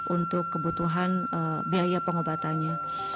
untuk kebutuhan biaya pengobatannya